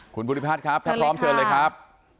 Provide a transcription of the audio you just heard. คุณบุริภาษครับถ้าพร้อมเชิญเลยครับ